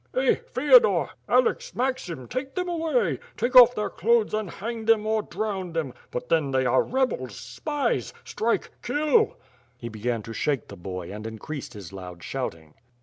Eh! Feodore, Alex, Maxim, take them away! Take off their clothes and banc: them or drown them! But then they are rebels, spies, strike, kill!" He began to shake the boy, and increased his loud shouting.